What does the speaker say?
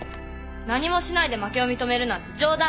何もしないで負けを認めるなんて冗談じゃない